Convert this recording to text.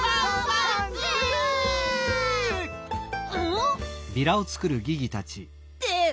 おっ？